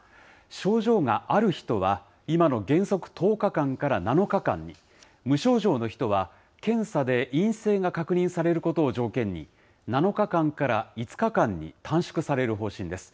症状がある人は、今の原則１０日間から７日間に、無症状の人は、検査で陰性が確認されることを条件に、７日間から５日間に短縮される方針です。